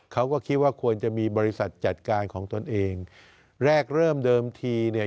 เขาก็คิดว่าควรจะมีบริษัทจัดการของตนเองแรกเริ่มเดิมทีเนี่ย